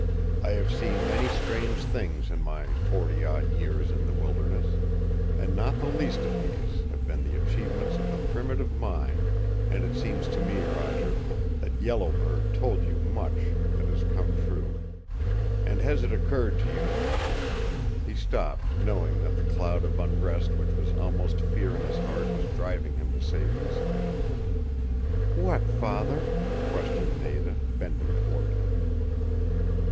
I have seen many strange things in my forty odd years in the wilderness, and not the least of these have been the achievements of the primitive mind. And it seems to me, Roger, that Yellow Bird told you much that has come true. And has it occurred to you " He stopped, knowing that the cloud of unrest which was almost fear in his heart was driving him to say these things. "What, father," questioned Nada, bending toward him.